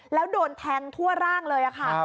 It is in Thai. แล้วโดนแทงทั่วร่างเลยค่ะ